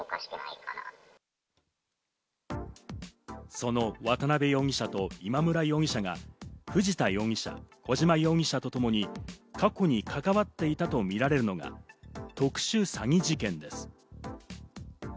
その渡辺容疑者と今村容疑者が藤田容疑者、小島容疑者とともに過去に関わっていたとみられるのが、特殊詐欺事件です。